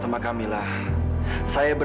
terima kasih ya sayang